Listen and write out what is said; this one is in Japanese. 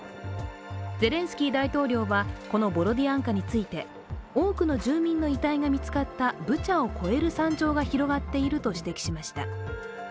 ゼレンスキー大統領は、このボロディアンカについて多くの住民の遺体が見つかったブチャを超える惨状が広がっていると指摘しました。